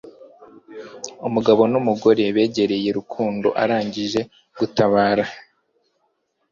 Umugabo n'umugore begereye Rukundo arangije gutabara